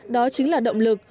đó chính là động lực